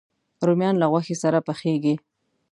رومیان له غوښې سره پخېږي